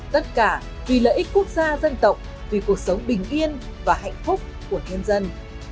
tất cả vì lợi ích quốc gia dân tộc vì cuộc sống bình yên và hạnh phúc của nhân dân